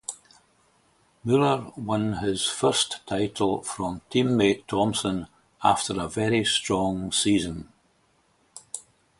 Muller won his first title from teammate Thompson after a very strong season.